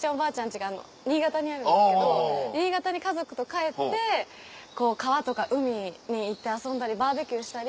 家が新潟にあるんですけど新潟に家族と帰って川とか海に行って遊んだりバーベキューしたり。